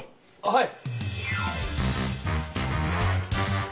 はい。